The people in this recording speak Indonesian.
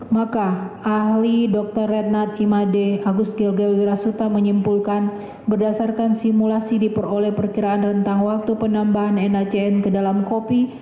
maka ahli dr rednard imade agus gilgewirasuta menyimpulkan berdasarkan simulasi diperoleh perkiraan rentang waktu penambahan nacn ke dalam kopi